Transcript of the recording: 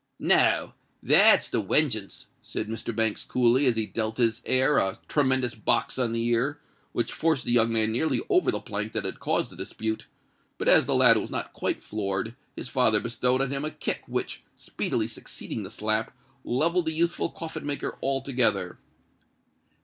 "No—that's the wengeance," said Mr. Banks, coolly, as he dealt his heir a tremendous box on the ear, which forced the young man nearly over the plank that had caused the dispute; but as the lad was not quite floored, his father bestowed on him a kick which, speedily succeeding the slap, levelled the youthful coffin maker altogether.